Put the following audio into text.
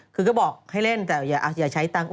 คือก็บอกให้เล่นแต่อย่าใช้ตังค์